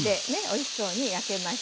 おいしそうに焼けました。